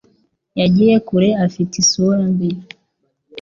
Yagiye kure afite isura mbi.